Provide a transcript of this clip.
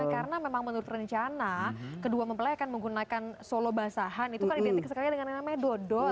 karena memang menurut rencana kedua mempelai akan menggunakan solo basahan itu kan identik sekali dengan yang namanya dodot